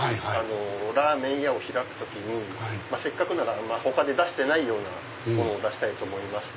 ラーメン屋を開く時にせっかくなら他で出てないものを出したいと思いまして。